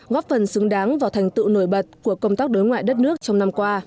góp phần xứng đáng vào thành tựu nổi bật của công tác đối ngoại đất nước trong năm qua